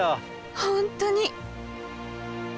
本当に！